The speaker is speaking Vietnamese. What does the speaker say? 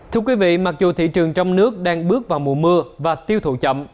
thưa quý vị mặc dù thị trường trong nước đang bước vào mùa mưa và tiêu thụ chậm